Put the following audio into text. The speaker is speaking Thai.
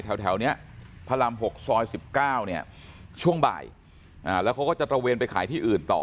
แถวนี้พระราม๖ซอย๑๙เนี่ยช่วงบ่ายแล้วเขาก็จะตระเวนไปขายที่อื่นต่อ